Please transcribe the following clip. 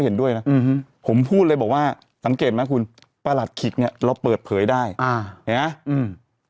เห็นไหมคุณปลาหลัดขิกเนี่ยเราเปิดเผยได้อ่าเห็นไหมอืม